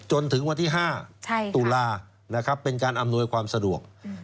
จนถึงวันที่๕ตุลานะครับเป็นการอำนวยความสะดวก